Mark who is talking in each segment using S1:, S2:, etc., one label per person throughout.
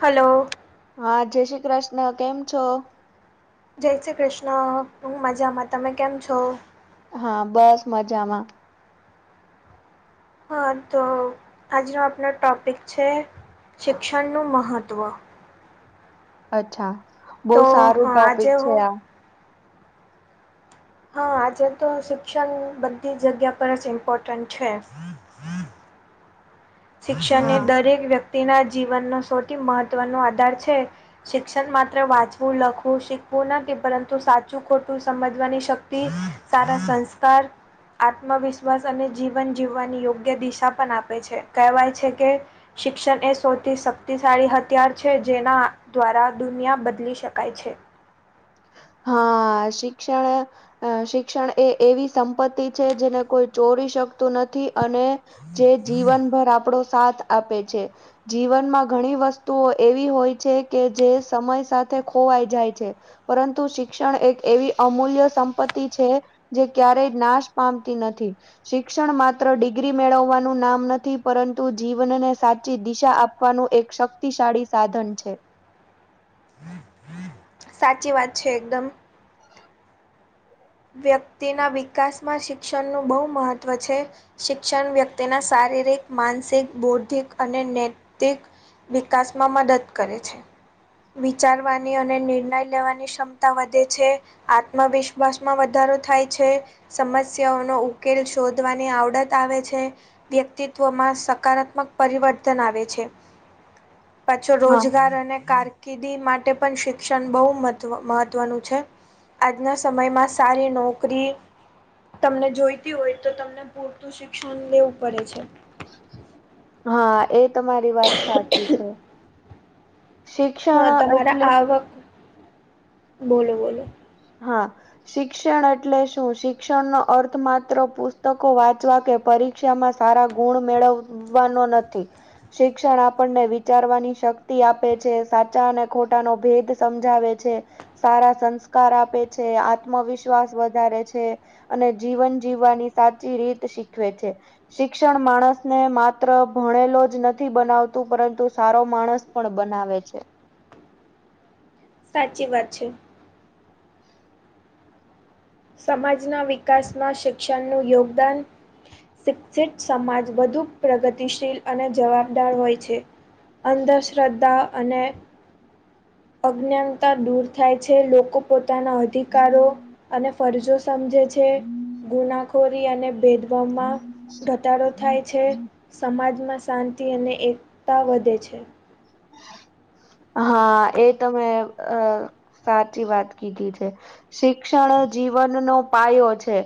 S1: Hello.
S2: હા, જય શ્રી કૃષ્ણ કેમ છો?
S1: જય શ્રી કૃષ્ણ. હું મજામાં, તમે કેમ છો?
S2: હા, બસ મજામાં.
S1: હા, તો આજનો આપણ ટૉપિક છે, શિક્ષણનું મહત્ત્વ.
S2: અચ્છા, બહુ
S1: તો
S2: સારું
S1: હા આજે
S2: ટોપિક છે
S1: હું
S2: આ.
S1: હા, આજે તો શિક્ષણ બધી જગ્યા પર જ ઇમ્પોર્ટન્ટ છે. શિક્ષણ એ
S2: હા
S1: દરેક વ્યક્તિના જીવનનો સૌથી મહત્વનો આધાર છે. શિક્ષણ માત્ર વાંચવું, લખવું, શીખવું નથી, પરંતુ સાચું-ખોટું સમજવાની શક્ સારા સંસ્કાર. આત્મવિશ્વાસ અને જીવન જીવવાની યોગ્ય દિશા પણ આપે છે, કહેવાય છે કે શિક્ષણ એ સૌથી શક્તિશાળી હથિયાર છે, જેના દ્વારા દુનિયા બદલી શકાય છે.
S2: હા શિક્ષણ, અ શિક્ષણ એ એવી સંપત્તિ છે જેને કોઈ ચોરી શકતું નથી અને, જે જીવનભર આપણો સાથ આપે છે. જીવનમાં ઘણી વસ્તુઓ એવી હોય છે કે જે સમય સાથે ખોવાઈ જાય છે. પરંત તું શિક્ષણ એક એવી અમૂલ્ય સંપત્તિ છે જે ક્યારેય નાશ પામતી નથી. શિક્ષણ માત્ર ડિગ્રી મેળવવાનું નામ નથી પરંતુ જીવનને સાચી દિશા આપ વાનું એક શક્તિશાળી સાધન છે.
S1: સાચી વાત છે એકદમ, વ્યક્તિના વિકાસમાં શિક્ષણનું બહુ મહત્ત્વ છે. શિક્ષણ વ્યક્તિના શારીરિક, માનસિક, બૌદ્ધિક અને નૈતિક, વિકાસમાં મદદ કરે છે. વિચારવાની અને નિર્ણય લેવાની ક્ષમતા વધે છે. આત્મવિશ્વાસ, માં વધારો થાય છે, સમસ્યાઓનો ઉકેલ શોધવાની આવડત આવે છે. વ્યક્તિત્વમાં સકારાત્મક પરિવર્તન આવે છે. પાછો
S2: હા.
S1: રોજગાર અને કાર કીદી માટે પણ શિક્ષણ બહુ મહત્ મહત્ત્વનું છે આજના સમયમાં સ સારી નોકરી, તમને જોઈતી હોય તો તમને પૂરતું શિક્ષણ લેવું પડે છે.
S2: હા એ તમારી વાત સાચી છે.
S1: હા
S2: શિક્ષણ
S1: તમારા
S2: એટલે
S1: આવક બોલો બોલો,
S2: હા, શિક્ષણ એટલે શું? શિક્ષણ નો અર્થ માત્ર પુસ્તકો વાંચવા કે પરી શિક્ષામાં સારા ગુણ મેળવવાનો નથી, શિક્ષણ આપણને વિચારવાની શક્તિ આપે છે, સાચા અને ખોટા નો ભેદ, સમજાવે છે, સારા સંસ્કાર આપે છે, આત્મવિશ્વાસ વધારે છે. અને જીવન જીવવાની સાચી રીત શીખવે છે. શિક્ષણ માણસને માત્ર ભણેલો જ નથી બનાવતું પરંતુ સારો માણસ, પણ બનાવે છે.
S1: સાચી વાત છે. સમાજના વિકાસમાં શિક્ષણનું યોગદાન, શિક્ષિત સમાજ વધુ પ્રગતિશીલ અને જવાબદાર હોય છે. અંધશ્રદ્ધા અને, અજ્ઞાનતા દૂર થાય છે લોકો પોતાના અધિકારો, અને ફરજો સમજે છે ગુનાખોરી અને ભેદભમાં, ઘટાડો થાય છે, સમાજમાં શાંતિ અને એકતા વધે છે. [inaudible]
S2: હા એ તમે અ સાચી વાત કીધી છે. શિક્ષણ જીવનનો પાયો છે.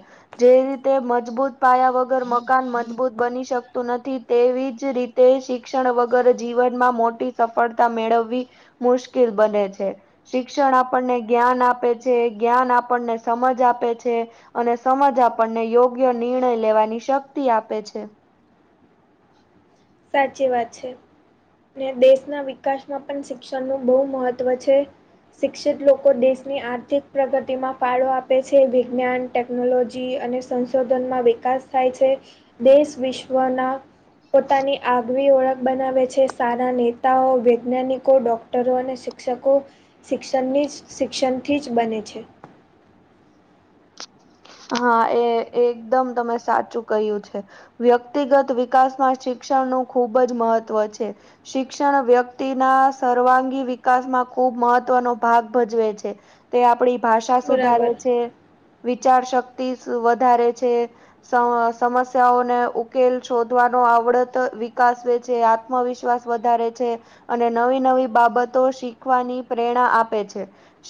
S2: જે રીતે મજબૂત પાયા વગર મકાન મજબૂત બની શકતું નથી, તેવી જ રીતે શિક્ષણ વગર જીવનમાં મોટી, સફળતા મેળવવી મુશ્કેલ બને છે. શિક્ષણ આપણને જ્ઞાન આપે છે, જ્ઞાન આપણને સમજ આપે છે, અને સમજ આપણને યોગ્ય નિર્ણય લેવાની શક્તિ આપે છે.
S1: સાચી વાત છે. ને દેશના વિકાસમાં પણ શિક્ષણનું બહુ મહત્વ છે. શિક્ષિત લોકો દેશની આર્થિક પ્રગતિમાં ફાળો આપે છે વિજ્ઞાન ટેકનોલોજી અને સંશોધનમાં વિકાસ થાય છે દેશ વિશ્વના પોતાની. આગવી ઓળખ બનાવે છે સારા નેતાઓ વૈજ્ઞાનિકો ડોક્ટરો અને શિક્ષકો શિક્ષણની જ શિક્ષણથી જ બને છે.
S2: હા એ એકદમ તમે સાચું કહ્યું છે. વ્યક્તિગત વિકાસમાં શિક્ષણનું ખૂબ જ મહત્વ છે. શિક્ષણ વ્યક્તિના સર્વાંગી વિકાસમાં ખૂબ મહત્વનો ભાગ ભજવે છે. તે આપણી ભાષા
S1: બરાબર
S2: સુધારે છે વિચાર શક્તિ વધારે છે. સમસ્યાઓને ઉકેલ શોધવાનો આવડત વિકાસવે છે. આત્મવિશ્વાસ વધારે છે. અને નવી નવી બાબતો શીખવાની પ્રેરણા આપે છે.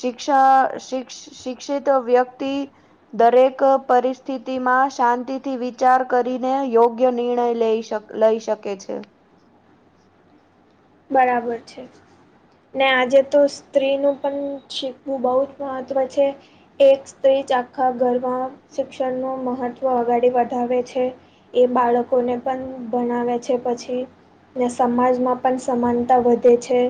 S2: શિક્ષા શિક્ શિક્ષિત વ્યક્તિ દરેક પરિસ્થિતિમાં શાંતિથી વિચાર કરીને યોગ્ય નિર્ણય લઈ શકો. લઈ શકે છે.
S1: બરાબર છે. ને આજે તો સ્ત્રીનું પણ શીખવું બહુ જ મહત્વ છે. એક સ્ત્રી જ આખા ઘરમાં શિક્ષણ ન મહત્વ અગળ વધાવે છે. એ બાળકોને પણ ભનાવે છે પછી સમાજમાં પણ સમાનતા વધે છે.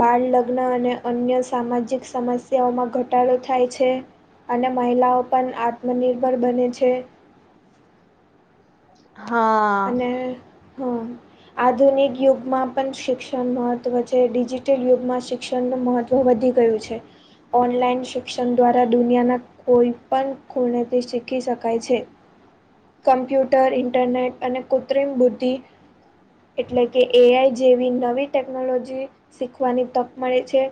S1: બાળ લગ્ન અને અન્ય સામાજિક સમસ્યાઓમાં ઘટાડો થાય છે. અને મહિલાઓ પણ આત્મનિર્ભર બને છે.
S2: હા.
S1: અને હા આધુનિક યુગમાં પણ શિક્ષણ મહત્ત્વ છે ડિજિટલ યુગમાં શિક્ષણનું મહત્ત્વ તો વધી ગયું છે ઓનલાઈન શિક્ષણ દ્વારા દુનિયાના કોઈ પણ ખૂણથી શીખી શકાય છે કમ્પ્યુટર ઇન્ટરનેટ અને કૃત્રિમ બુદ્ધિ. એટલે કે એઆઈ જેવી નવી ટેકનોલોજી શીખવાની તક મળે છે.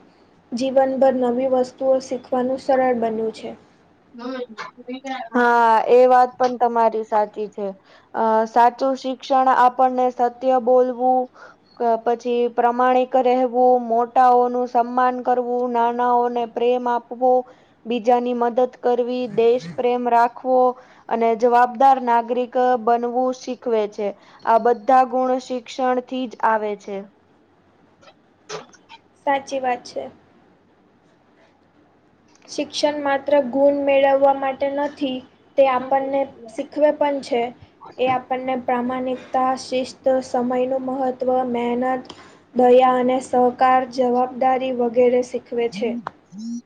S1: જીવનભર નવી વસ્તુઓ શીખવાનું સરળ બન્યું છે.
S2: હા એ વાત પણ તમારી સાચી છે. અ સાચું શિક્ષણ આપણને સત્ય બોલવું. પછી પ્રમાણિક રહેવું મોટાઓનું સન્માન કરવું નાનાઓને પ્રેમ આપવો બીજાની મદદ કરવી દેશ પ્રેમ રાખવો. અને જવાબદાર નાગરિક બનવું શીખવે છે. આ બધા ગુણ શિક્ષણ થી જ આવે છે.
S1: સાચી વાત છે. શિક્ષણ માત્ર ગુણ મેળવવા માટે નથી. તે આપણને શીખવે પણ છે એ આપણને પ્રામાણિક ત શિસ્ત સમયનું મહત્ત્વ મહેનત દયા અને સહકાર જવાબદારી વગેરે શીખવે છે.
S2: હમ.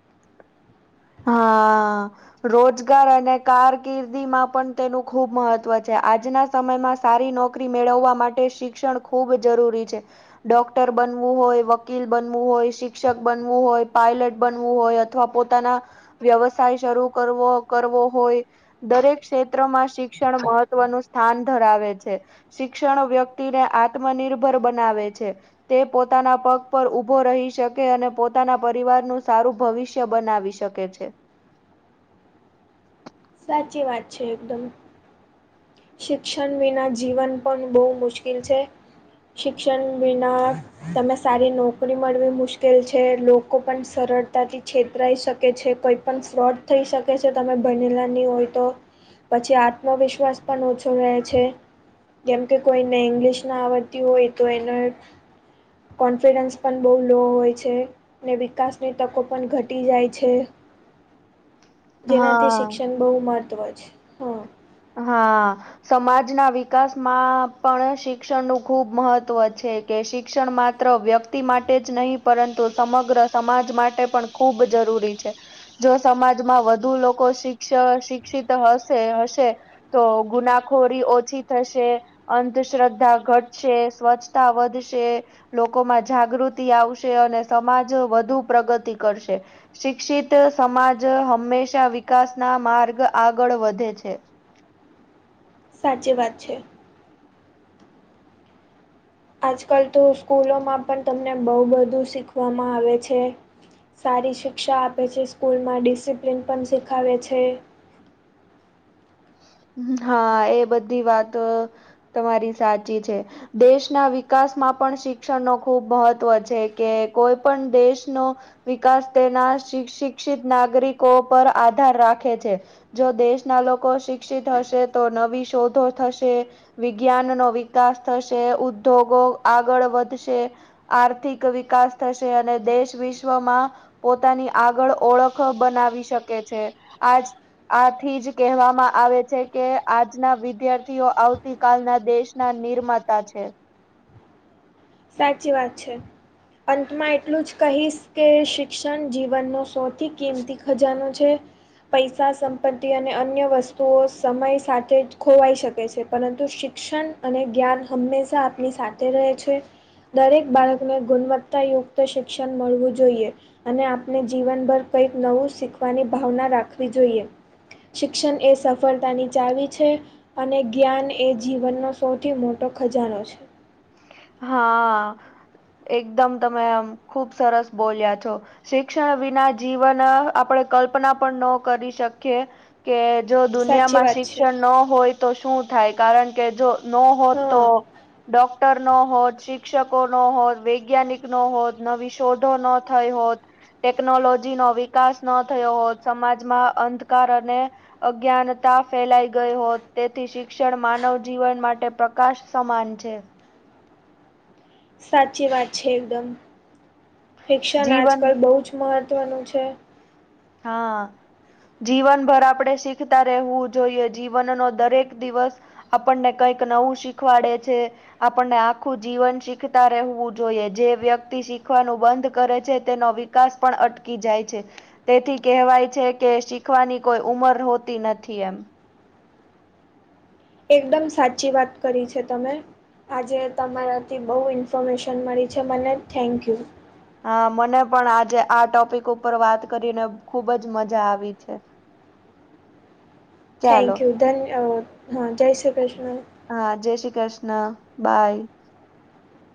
S2: હા. રોજગાર અને કારકિર્દી માં પણ તેનું ખુબ મહત્વ છે આજના સમયમાં સારી નોકરી મેળવવા માટે શિક્ષણ ખૂબ જરૂરી છે. ડોક્ટર બનવું હોય વકીલ બનવું હોય શિક્ષક બનવું હોય પાયલટ બનવું હોય. અથવા પોતાના વ્યવસાય શરૂ કરવો કરવો હોય. દરેક ક્ષેત્રમાં શિક્ષણ મહત્વનું સ્થાન ધરાવે છે. શિક્ષણ વ્યક્તિને આત્મનિર્ભર બનાવે છે. તે પોતાના પગ પર ઉભો રહી શકે અને પોતાના પરિવાર નું સારું ભવિષ્ય બનાવીશ. શકે છે.
S1: સાચી વાત છે એકદમ. શિક્ષણ વિના જીવન પણ બહુ મુશ્કિલ છે. શિક્ષણ વિના તમે સારી નોકરી મળવી મુશ્કેલ છે લોકો પણ સરળતાથી છેતરાઈ શકે છે કોઈ પણ ફ્રોડ થઈ શકે છે તમે ભણેલા ની હોય તો પછી આત્મવિશ્વાસ પણ ઓછો રહે છે. કેમ કે કોઈને ઇંગ્લિશ ના આવડતી હોય તો એને કોન્ફિડન્સ પણ બહુ લો હોય છે. ને વિકાસની તકો પણ ઘટી જાય છે. જેનાથી
S2: હા
S1: શિક્ષણ બહુ મહત્વ છે હ.
S2: હા. સમાજના વિકાસમાં પણ શિક્ષણ નું ખુબ મહત્વ છે. કે શિક્ષણ માત્ર વ્યક્તિ માટે જ નહીં પરંતુ સમગ્ર સમાજ માટે પણ ખૂબ જરૂરી છે. જો સમાજમાં વધુ લોકો શિક્ષ શિક્ષિત હશે હશે તો ગુનાખોરી ઓછી થશે. અંધશ્રદ્ધા ઘટશે સ્વચ્છતા વધશે. લોકોમાં જાગૃતિ આવશે અને સમાજ વધુ પ્રગતિ કરશે. શિક્ષિત સમાજ હંમેશા વિકાસ ના માર્ગ આગળ વધે છે.
S1: સાચી વાત છે. આજકાલ તો સ્કૂલોમાં પણ તમને બહુ બધું શીખવામાં આવે છે. સારી શિક્ષા આપે છે સ્કૂલમાં ડિસિપ્લિન પણ શીખાવે છે.
S2: હા એ બધી વાત તમારી સાચી છે. દેશના વિકાસમાં પણ શિક્ષણ નો ખૂબ મહત્વ છે કે કોઈ પણ દેશનો વિકાસ તેના શિક્ષ શિક્ષ શિક્ષિત નાગરિકો પર આધાર રાખે છે. જો દેશના લોકો શિક્ષિત હશે તો નવી શોધો થશે. વિજ્ઞાન નો વિકાસ થશે ઉદ્યોગો આગળ વધશે આર્થિક વિકાસ થશે અને દેશ વિશ્વમાં પોતાની આગળ ઓળખ બનાવી શકે છે આજ આથી જ કહેવામાં આવે છે કે આજના વિદ્યાર્થીઓ આવતી કાલના દેશના નિર્માતા છે.
S1: સાચી વાત છે. અંતમાં એટલું જ કહીશ કે શિક્ષણ જીવનનો સૌથી કિંમતી ખજાનો છે. પૈસા સંપત્તિ અને અન્ય વસ્તુઓ સમય સાથે જ ખોવાઈ શકે છે પરંતુ શિક્ષ શિક્ષણ અને જ્ઞાન હંમેશા આપની સાથે રહે છે. દરેક બાળકને ગુણવત્તાયુક્ત શિક્ષણ મળવું જોઈએ. અને આપણે જીવનભર કઈક નવું શીખવાની ભાવના રાખવી જોઈએ. શિક્ષણ એ સફળતાની ચાવી છે. અને જ્ઞાન એ જીવનનો સૌથી મોટો ખજાનો છે.
S2: હા, એકદમ તમેમખુબ સરસ બોલ્યા છો. શિક્ષણ વિના જીવન આપણે કલ્પના પણ ન કરી શકીએ. કે જો
S1: સાચી
S2: દુનિયામાં
S1: વાત છે
S2: શિક્ષણ ન હોય, તો શું થાય? કારણ કે જો નો હોત
S1: હા
S2: તો, ડોક્ટર નો હોત, શિક્ષકો નો હોત, વૈજ્ઞાનિક નો હોત, નવી શોધો ન થઈ હોત. ટેકનોલોજી નો વિકાસ ન થયો હોત, સમાજમાં અંધકાર અને અજ્ઞાનતા ફેલાઈ ગઈ હોત, તેથી શિક્ષણ માનવ જીવન માટે પ્રકાશ સમાન છે.
S1: સાચી વાત છે એકદમ, ફિક્શન
S2: જીવન
S1: આજકાલ બહુ જ મહત્વનું છે.
S2: હા. જીવનભર આપણે શીખતા રહેવું જોઈએ, જીવનનો દરેક દિવસ આપણને કઈક નવું શીખવાડે છે. આપણને આખું જીવન શીખતા રહેવું જોઈએ, જે વ્યક્તિ શીખવાનું બંધ કરે છે, તેનો બી વિકાસ પણ અટકી જાય છે. તેથી કેહેવાય છે કે, શીખવાની કોઈ ઉમર હોતી નથી, એમ.
S1: એકદમ સાચી વાત કરી છે તમે. આજે તમારાથી બહુ ઇન્ફોર્મેશન મળી છે, મને થેન્ક યુ.
S2: હા, મને પણ આજે આ ટોપિક ઉપર વાત કરીને. ખુબ જ મજા આવી છે. ચાલો
S1: થેન્ક યુ, ધન્યદ. હા, જય શ્રી કૃષ્ણ.
S2: હા, જય શ્રી કૃષ્ણ બાય.